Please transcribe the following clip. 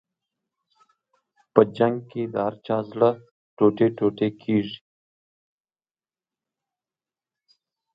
په جنګ کې د هر چا زړه ټوټې ټوټې کېږي.